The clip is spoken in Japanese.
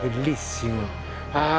ああ！